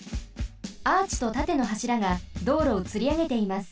アーチとたてのはしらが道路をつりあげています。